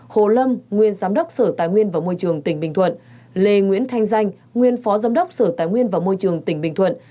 hai hồ lâm nguyên giám đốc sở tài nguyên và môi trường tỉnh bình thuận lê nguyễn thanh danh nguyên phó giám đốc sở tài nguyên và môi trường tỉnh bình thuận